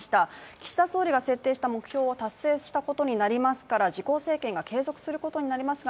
岸田総理が設定した目標を達成したことになりますから自公政権が継続することになりますが